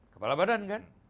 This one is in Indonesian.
kepala badan kan